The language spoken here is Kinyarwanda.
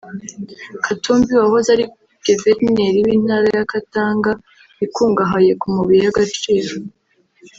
Katumbi wahoze ari Geverineri w’Intara ya Katanga ikungahaye ku mabuye y’agaciro